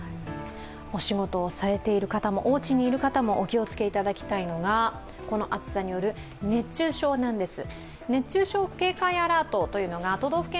お仕事をされている方もおうちにいる方もお気をつけいただきたいのがこの暑さによる熱中症なんです。